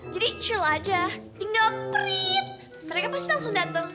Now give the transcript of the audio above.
jadi chill aja tinggal priit mereka pasti langsung dateng